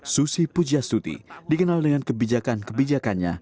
susi pujastuti dikenal dengan kebijakan kebijakannya